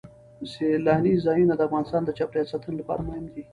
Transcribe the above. سیلانی ځایونه د افغانستان د چاپیریال ساتنې لپاره مهم دي.